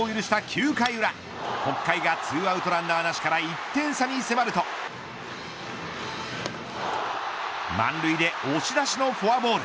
９回裏北海が２アウトランナーなしから１点差に迫ると満塁で押し出しのフォアボール。